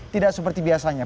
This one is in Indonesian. tidak seperti biasanya